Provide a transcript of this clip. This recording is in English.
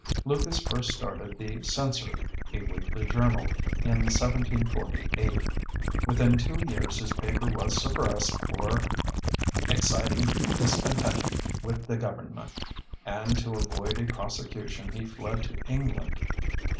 Lucas first started the Censor, a weekly journal, in 1748. Within two years his paper was suppressed for exciting discontent with the government, and to avoid a prosecution he fled to England.